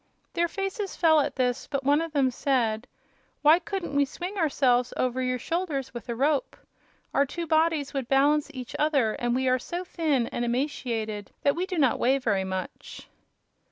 Their faces fell at this, but one of them said: "Why couldn't we swing ourselves over your shoulders with a rope? Our two bodies would balance each other and we are so thin and emaciated that we do not weigh very much."